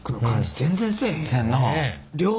全然せえへんよ。